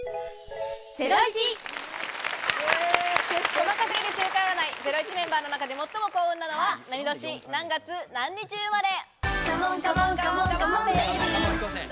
細か過ぎる週間占い『ゼロイチ』メンバーの中で最も幸運なのは何年、何月何日生まれ？